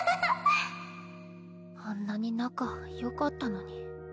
あんなに仲よかったのに。